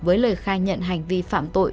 với lời khai nhận hành vi phạm tội